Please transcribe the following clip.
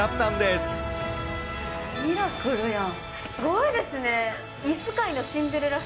すごいですね。